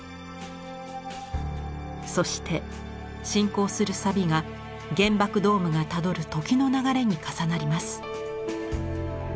そして進行するサビが原爆ドームがたどる時の流れに重なります。